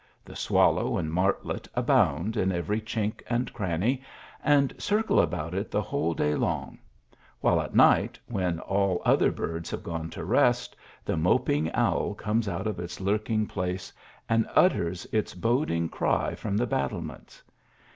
The swal low and martlet abound in every chink and cranny, and circle about it the whole day long ; while at night, when all other birds have gone to rest, the moping owl comes out of its lurking place, and ut ters its boding cry from the battlements.